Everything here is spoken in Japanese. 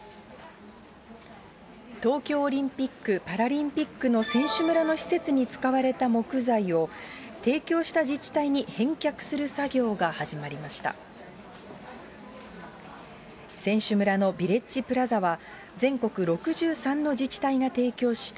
東京オリンピック・パラリンピックの選手村の施設に使われた木材を提供した自治体に返却する作業が始まりました。